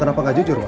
kenapa gak jujur